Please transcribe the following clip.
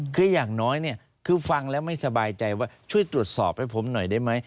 คืออย่างน้อยเนี่ยคือฟังแล้วไม่สบายใจว่าช่วยตรวจสอบให้ผมหน่อยได้ไหม